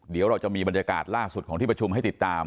เดี๋ยวเราจะมีบรรยากาศล่าสุดของที่ประชุมให้ติดตาม